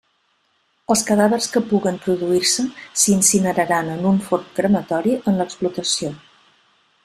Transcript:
Els cadàvers que puguen produir-se s'incineraran en un forn crematori en l'explotació.